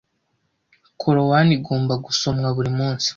Korowani igomba gusomwa buri munsi